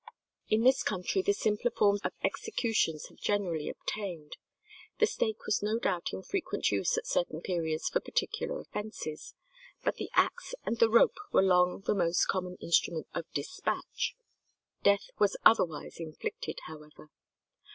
In this country the simpler forms of executions have generally obtained. The stake was no doubt in frequent use at certain periods for particular offences, but the axe and the rope were long the most common instruments of despatch. Death was otherwise inflicted, however.